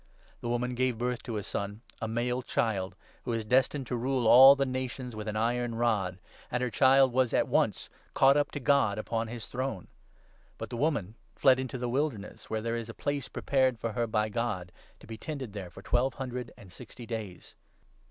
The woman gave birth to a son, a 5 male child, who is destined to rule all the nations with an iron rod ; and her child was at once caught up to God upon his throne. But the woman fled into the wilderness, where there is 6 a place prepared for her by God, to be tended there for twelve hundred and sixty days.